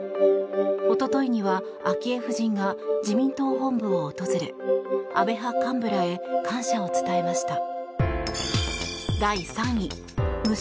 一昨日には昭恵夫人が自民党本部を訪れ安倍派幹部らへ感謝を伝えました。